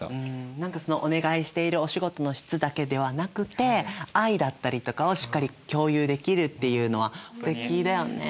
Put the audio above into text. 何かそのお願いしているお仕事の質だけではなくて愛だったりとかをしっかり共有できるっていうのはすてきだよね。